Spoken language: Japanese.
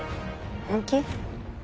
本気？